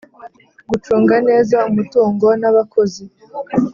Gucunga neza umutungo n abakozi.